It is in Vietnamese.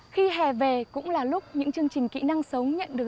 khi hè về cũng là lúc những chương trình kỹ năng sống nhận được